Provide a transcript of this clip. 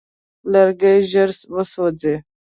لرګی ژر وسوځي.